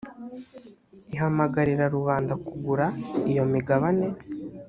ihamagarira rubanda kugura iyo migabane